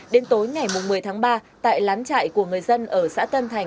đến tối ngày một mươi tháng ba tại lán chạy của người dân ở xã tân